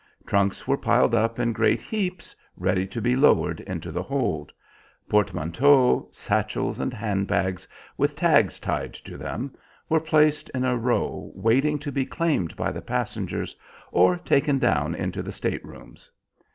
Trunks were piled up in great heaps ready to be lowered into the hold; portmanteaux, satchels, and hand bags, with tags tied to them, were placed in a row waiting to be claimed by the passengers, or taken down into the state rooms.